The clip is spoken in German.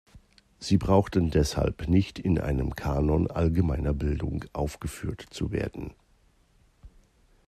Sie brauchten deshalb nicht in einem Kanon allgemeiner Bildung aufgeführt zu werden.